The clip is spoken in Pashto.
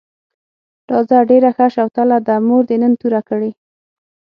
راځه ډېره ښه شوتله ده، مور دې نن توره کړې.